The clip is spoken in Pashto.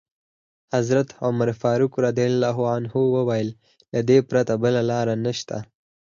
حضرت عمر فاروق وویل: له دې پرته بله لاره نشته.